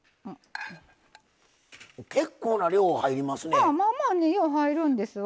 結構な量、入りますね。